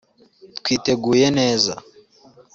Twiteguye neza